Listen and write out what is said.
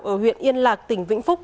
ở huyện yên lạc tỉnh vĩnh phúc